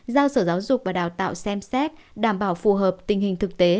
giao sở giáo dục và đào tạo xem xét đảm bảo phù hợp tình hình thực tế